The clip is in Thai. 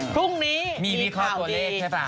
เฮ้ฮึงนี้มีข่าวดีมีวิเคราะห์ตัวเล็กใช่ป่าว